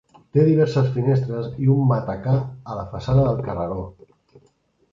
Té diverses finestres i un matacà a la façana del carreró.